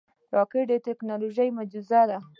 راکټ د ټکنالوژۍ معجزه ده